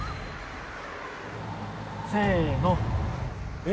せの！